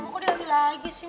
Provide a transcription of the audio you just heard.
mama kok dirawat lagi sih